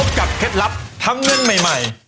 พบกับเคล็ดลับทั้งเล่นใหม่